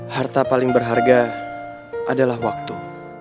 harta paling berharga adalah waktu